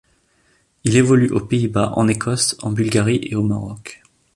Il évolue aux Pays-Bas, en Écosse, en Bulgarie, et au Maroc.